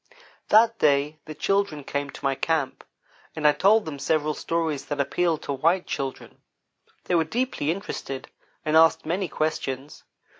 That day the children came to my camp, and I told them several stories that appeal to white children. They were deeply interested, and asked many questions.